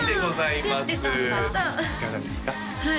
いかがですか？